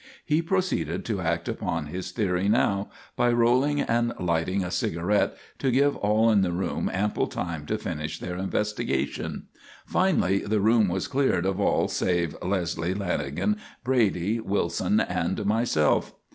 He proceeded to act upon his theory now by rolling and lighting a cigarette to give all in the room ample time to finish their investigation. Finally the room was cleared of all save, Leslie, Lanagan, Brady, Wilson, and myself.